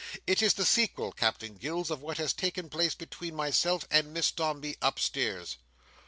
It is the sequel, Captain Gills, of what has taken place between myself and Miss Dombey, upstairs."